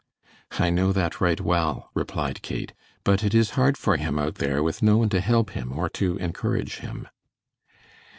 "I know that right well," replied Kate; "but it is hard for him out there with no one to help him or to encourage him."